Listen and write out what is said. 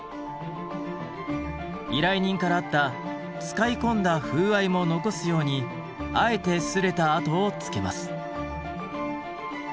依頼人からあった使い込んだ風合いも残すようにあえて擦れた痕をつけます。